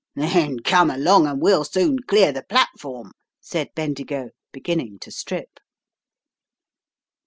"Then come along, and we'll soon clear the platform," said Bendigo, beginning to strip.